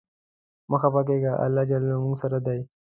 مه خپه کیږه ، الله ج له مونږ سره دی.